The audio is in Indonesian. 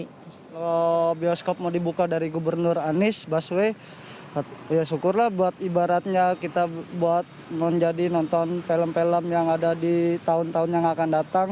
kalau bioskop mau dibuka dari gubernur anies baswedan syukurlah buat ibaratnya kita buat menjadi nonton film film yang ada di tahun tahun yang akan datang